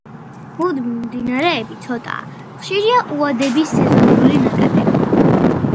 მუდმივი მდინარეები ცოტაა, ხშირია უადები, სეზონური ნაკადები.